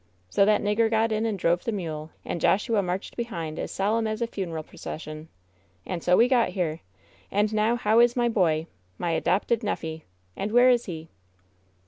So that nigger got in and drove the mule, and Joshua marched behind as '" solemn as a funeral procession. And so we got bera And now how is my boy? My adopted neffy? And where is he